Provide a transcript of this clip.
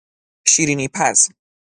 شیرینیپز